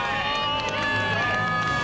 すごい！